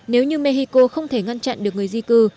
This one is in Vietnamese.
nếu như mexico không thể ngăn chặn được người di cư